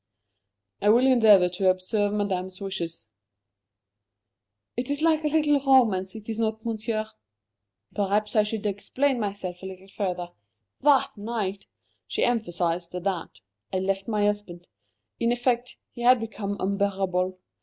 "I will endeavour to observe Madame's wishes." "It is like a little romance, is it not, Monsieur? Perhaps I should explain myself a little further. That night" she emphasized the that "I left my husband. In effect, he had become unbearable.